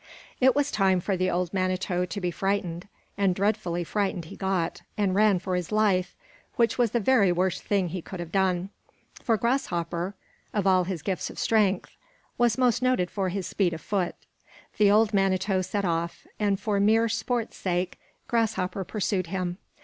It was time for the old Manito to be frightened, and dreadfully frightened he got, and ran for his life, which was the very worst thing he could have done; for Grasshopper, of all his gifts of strength, was most noted for his speed of foot. The old Manito set off, and for mere sport's sake, Grasshopper pursued him.